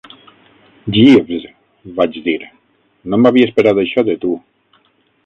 "Jeeves", vaig dir, "No m'havia esperat això de tu".